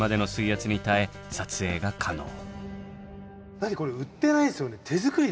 だってこれ売ってないですよね？